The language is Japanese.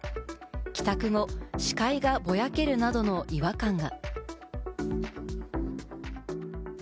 帰宅後、視界がぼやけるなどの違和感が。